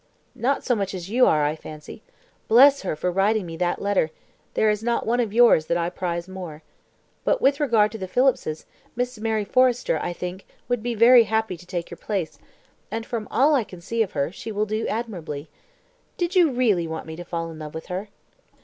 "Not so much as you are, I fancy. Bless her for writing me that letter; there is not one of yours that I prize more. But with regard to the Phillipses, Miss Marry Forrester, I think, would be very happy to take your place; and, from all I can see of her, she will do admirably. Did you really want me to fall in love with her?"